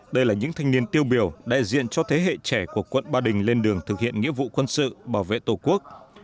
đây là những thanh niên tiêu biểu đại diện cho thế hệ trẻ của quận ba đình lên đường thực hiện nghĩa vụ quân sự bảo vệ tổ quốc